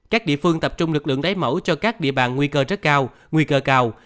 các địa phương tập trung lực lượng lấy mẫu cho các địa bàn nguy cơ rất cao nguy cơ cao